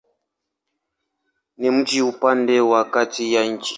Ni mji upande wa kati ya nchi.